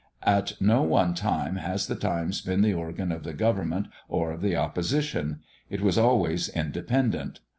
At no one time has the Times been the organ of the Government or of the opposition: it was always independent.